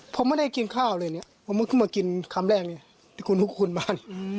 ผมไม่ได้กินข้าวเลยเนี่ยผมก็ขึ้นมากินคำแรกเนี่ยที่คุณลุกคุณบ้าน